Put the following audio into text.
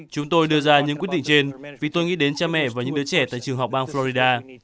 chúng tôi đưa ra những quyết định trên vì tôi nghĩ đến cha mẹ và những đứa trẻ tại trường học bang florida